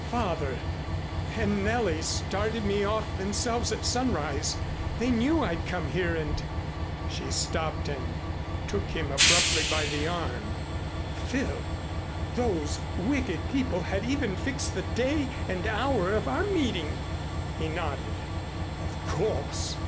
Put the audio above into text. Father and Nellie started me off themselves at sunrise. They knew I'd come here and " She stopped and took him abruptly by the arm. "Phil! Those wicked people had even fixed the day and hour of our meeting." He nodded. "Of course!